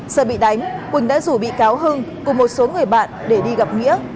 sợ bị đánh quỳnh đã rủ bị cáo hưng cùng một số người bạn để đi gặp nghĩa